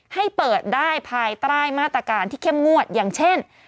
ให้เปิดได้ภายใต้มาตรการที่เข้มงวดอย่างเช่น